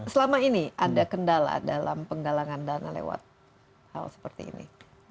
selama ini ada kendala dalam penggalangan dana lewat hal seperti ini